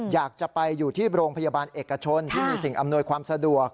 อยากจะไปอยู่ที่โรงพยาบาลเอกชนที่มีสิ่งอำนวยความสะดวก